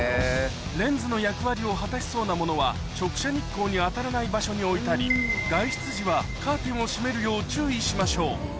レンズの役割を果たしそうなものは、直射日光に当たらない場所に置いたり、外出時はカーテンを閉めるよう注意しましょう。